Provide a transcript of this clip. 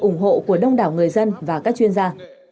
ủng hộ của đông đảo người dân và các chuyên gia